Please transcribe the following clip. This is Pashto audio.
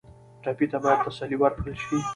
ټپي ته باید تسلي ورکړل شي.